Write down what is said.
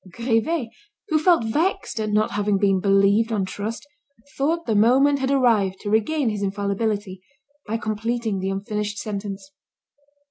Grivet who felt vexed at not having been believed on trust, thought the moment had arrived to regain his infallibility, by completing the unfinished sentence.